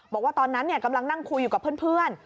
บอกว่าตอนนั้นกำลังนั่งคุยอยู่กับเพื่อน